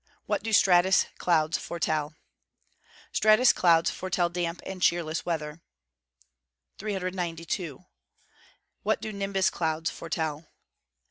What do stratus clouds foretell? Stratus clouds foretell damp and cheerless weather. 392. _What do nimbus clouds foretell?